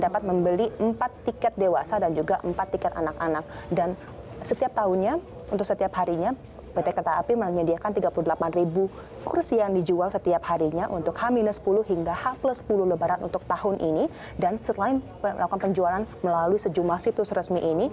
pembelian tiket sendiri dapat dilakukan dari sejumlah situs